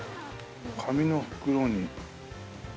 紙の袋に。